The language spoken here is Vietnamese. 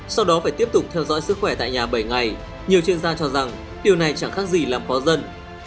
sau đó phải tiếp tục theo dõi sức khỏe tại nhà bảy ngày nhiều chuyên gia cho rằng điều này chẳng khác gì làm khó dân